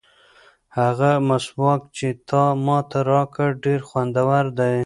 هغه مسواک چې تا ماته راکړ ډېر خوندور دی.